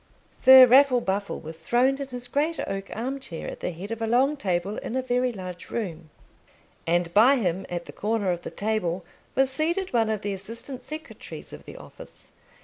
Sir Raffle Buffle was throned in his great oak arm chair at the head of a long table in a very large room; and by him, at the corner of the table, was seated one of the assistant secretaries of the office.